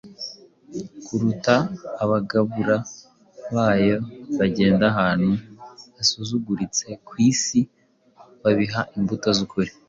kuruta abagabura bayo bagenda ahantu hasuzuguritse ku isi babiba imbuto z’ukuri,